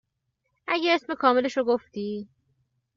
اگر اسم کاملش رو گفتی